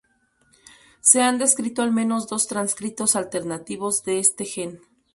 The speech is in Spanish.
Se han descrito al menos dos transcritos alternativos de este gen.